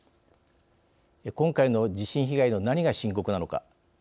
今回の地震被害の何が深刻なのか。